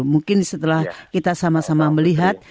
mungkin setelah kita sama sama melihat